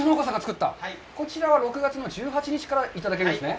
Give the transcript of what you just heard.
こちらは６月１８日からいただけるんですね。